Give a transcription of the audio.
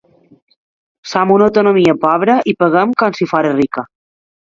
Som una autonomia pobra i paguem com si fóra rica.